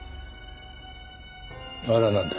あれはなんだ？